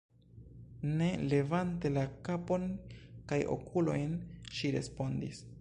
Ne levante la kapon kaj okulojn, ŝi respondis: